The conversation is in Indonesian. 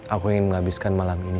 aku ingin menghabiskan malam ini